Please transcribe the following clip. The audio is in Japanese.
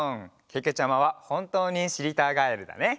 けけちゃまはほんとうにしりたガエルだね。